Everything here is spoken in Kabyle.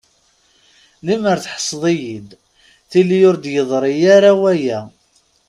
Lemmer tḥesseḍ-iyi-d, tili ur d-yeḍṛi ara waya.